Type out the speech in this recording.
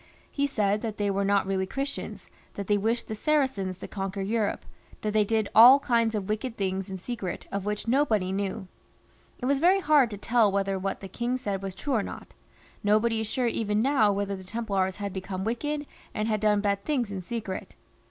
He said that, they were not really Christians, that they wished the Saracens to conquer Europe, that they did all kinds of wicked things in secret, of which nobody knew. It was very hard to tell whether what the king said was true or not. Nobody is sure even now whether the Templars had become wicked, and had done bad things in secret.